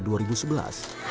sampai mati saya